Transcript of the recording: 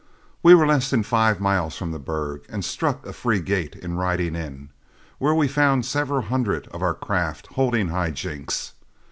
We were less than five miles from the burg, and struck a free gait in riding in, where we found several hundred of our craft holding high jinks.